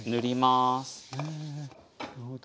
なるほど。